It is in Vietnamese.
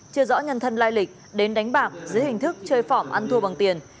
chưa rõ nhân thân lai lịch đến đánh bạc dưới hình thức chơi phỏ ăn thua bằng tiền